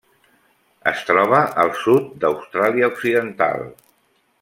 Es troba al sud d'Austràlia Occidental.